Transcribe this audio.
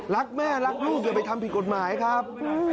รักแม่รักลูกอย่าไปทำผิดกฎหมายครับ